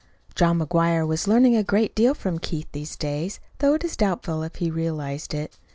John McGuire was learning a great deal from Keith these days, though it is doubtful if he realized it.